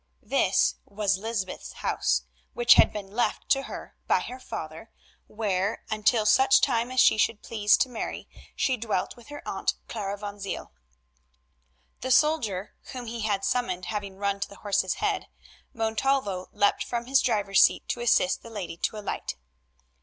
This was Lysbeth's house which had been left to her by her father, where, until such time as she should please to marry, she dwelt with her aunt, Clara van Ziel. The soldier whom he had summoned having run to the horse's head, Montalvo leapt from his driver's seat to assist the lady to alight.